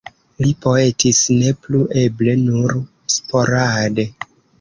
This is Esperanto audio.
Li poetis ne plu, eble nur sporade.